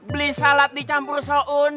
beli salad dicampur soun